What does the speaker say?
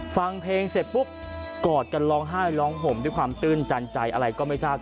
ฟังเพลงเสร็จปุ๊บกอดกันร้องไห้ร้องห่มด้วยความตื้นตันใจอะไรก็ไม่ทราบ